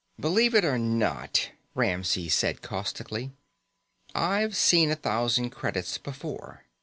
"Believe it or not," Ramsey said caustically, "I've seen a thousand credits before.